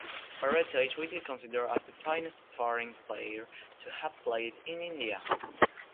Barreto is widely considered as the finest foreign player to have played in India.